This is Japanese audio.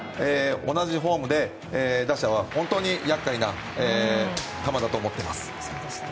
同じフォームで打者は本当に厄介な球だと思ています。